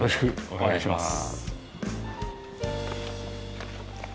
お願いします。